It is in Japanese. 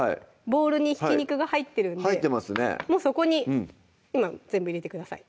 ボウルにひき肉が入ってるんでそこに全部入れてください